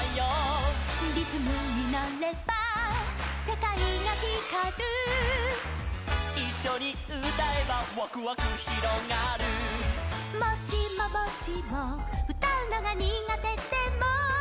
「リズムにのればせかいがひかる」「いっしょにうたえばわくわくひろがる」「もしももしもうたうのがにがてでも」